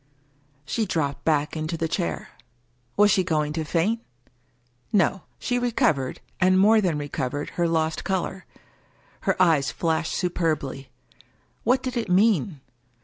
She dropped back into the chair. Was she going to faint? No: she recovered, and more than recovered, her lost color. Her eyes flashed superbly. What did it mean